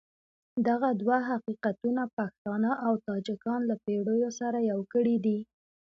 دغه دوه حقیقتونه پښتانه او تاجکان له پېړیو سره يو کړي دي.